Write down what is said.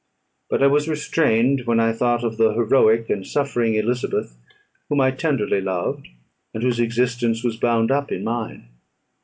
But I was restrained, when I thought of the heroic and suffering Elizabeth, whom I tenderly loved, and whose existence was bound up in mine.